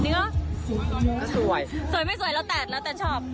ก็สวยสวยไม่สวยแล้วแต่แล้วแต่ชอบ